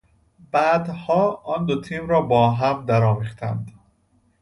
بعدها آن دو تیم را با هم در آمیختند.